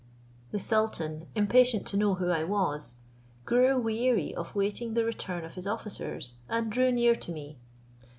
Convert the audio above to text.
The sultan, impatient to know who I was, grew weary of waiting the return of his officers, and drew near to me.